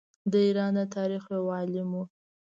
د ایران د تاریخ یو عالم وو.